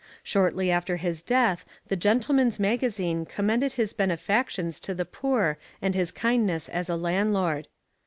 Shortly after his death the Gentleman's Magazine commended his benefactions to the poor and his kindness as a landlord.